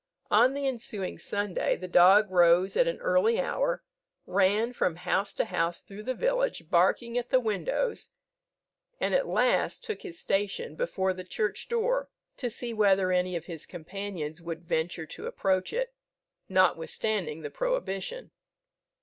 On the ensuing Sunday the dog rose at an early hour, ran from house to house through the village, barking at the windows, and at last took his station before the church door, to see whether any of his companions would venture to approach it, notwithstanding the prohibition.